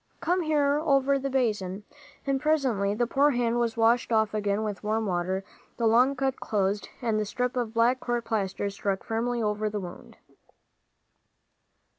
"Come here, over the basin." And presently the poor hand was washed off again with warm water, the long cut closed, and the strip of black court plaster stuck firmly over the wound.